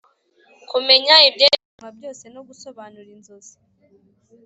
kumenya ibyerekanwa byose no gusobanura inzozi